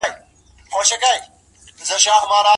صدقه د انسان په اخلاقو کي مثبته اغېزه کوي.